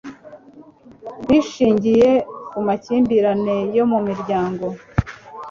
bishingiye ku makimbirane yo mu miryango.